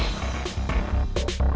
untuk nyelesain masalah ini